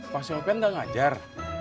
pak sofyan udah ngajar